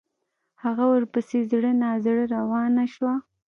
هغه ورپسې زړه نا زړه روانه شوه.